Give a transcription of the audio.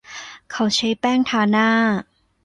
เขาใช้แป้งทาหน้า